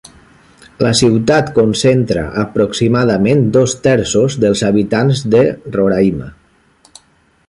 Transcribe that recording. La ciutat concentra aproximadament dos terços dels habitants de Roraima.